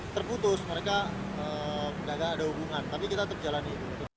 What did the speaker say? terputus mereka gagal ada hubungan tapi kita terjalani